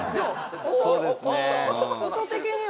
そうですね。